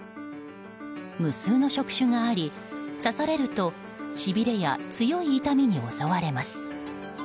無数の触手があり、刺されるとしびれや強い痛みに襲われます。